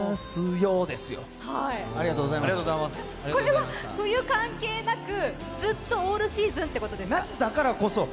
これは、冬関係なくずっとオールシーズンってことですか？